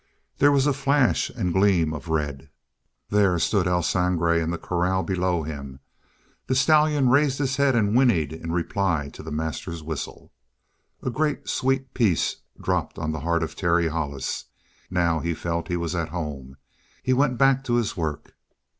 There was flash and gleam of red; there stood El Sangre in the corral below him; the stallion raised his head and whinnied in reply to the master's whistle. A great, sweet peace dropped on the heart of Terry Hollis. Now he felt he was at home. He went back to his work.